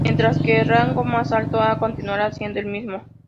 Mientras que el rango más alto "A" continuará siendo el mismo.